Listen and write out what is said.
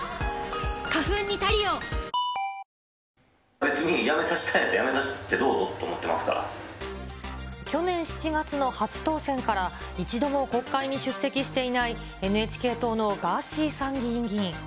別に辞めさせたいなら辞めさ去年７月の初当選から一度も国会に出席していない、ＮＨＫ党のガーシー参議院議員。